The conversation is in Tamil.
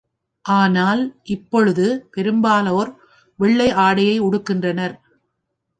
ஆனால் இப்பொழுது பெரும்பாலோர் வெள்ளை ஆடையே உடுக்கின்றனர்.